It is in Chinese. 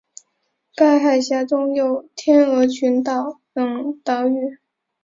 该海峡中有天鹅群岛等岛屿。